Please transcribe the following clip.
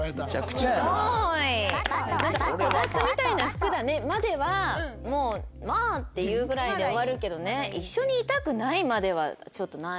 なんか「こたつみたいな服だね」まではもう「まあ」って言うぐらいで終わるけどね「一緒にいたくない」まではちょっとない。